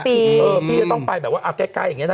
พี่จะต้องไปแบบว่าเอาใกล้อย่างนี้นะ